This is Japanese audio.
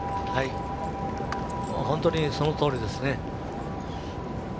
本当にそのとおりですね。